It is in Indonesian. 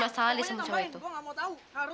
tapi ya si lisa tuh lagi bermasalah deh sama cowok itu